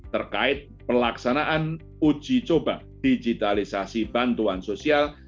terkait pelaksanaan uji coba digitalisasi bantuan sosial